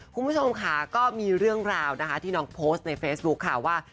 คุณผู้ชมค่ะก็มีเรื่องราวนะคะที่น้องโพสต์ในเฟซบุ๊คค่ะว่า